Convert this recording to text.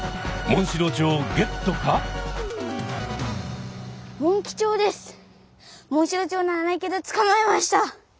モンシロチョウではないけどつかまえました！